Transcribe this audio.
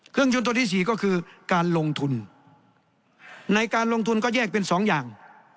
เครื่องยนต์ตัวที่สี่ก็คือการลงทุนในการลงทุนก็แยกเป็นสองอย่าง